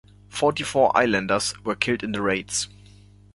Forty-four islanders were killed in the raids.